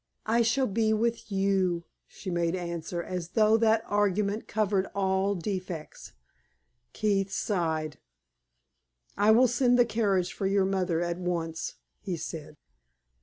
"I shall be with you," she made answer, as though that argument covered all defects. Keith sighed. "I will send the carriage for your mother at once," he said.